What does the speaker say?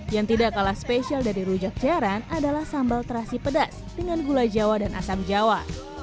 yang tidak kalah spesial dari rujak cairan adalah sambal terasi pedas dengan gula jawa dan asam jawa